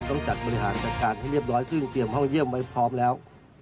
ต้องจัดบริหารจัดการให้เรียบร้อยซึ่งเตรียมห้องเยี่ยมไว้พร้อมแล้ว